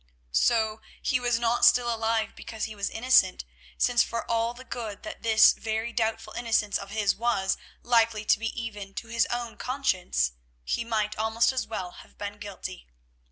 So he was not still alive because he was innocent, since for all the good that this very doubtful innocence of his was likely to be even to his own conscience, he might almost as well have been guilty.